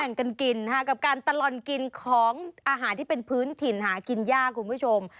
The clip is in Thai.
กันกินกับการตลอดกินของอาหารที่เป็นพื้นถิ่นหากินยากคุณผู้ชม